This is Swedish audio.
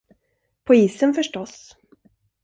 På isen, förstås.